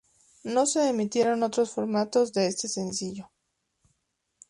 No se emitieron otros formatos de este sencillo.